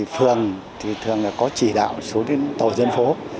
phường thường có chỉ đạo xuống tổ dân phố